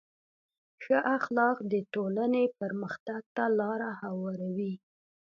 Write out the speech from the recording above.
ښه اخلاق د ټولنې پرمختګ ته لاره هواروي.